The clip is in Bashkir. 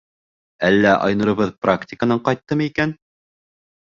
Әллә Айнурыбыҙ практиканан ҡайттымы икән?